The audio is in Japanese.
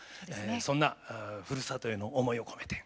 そんなふるさとへの思いを込めて。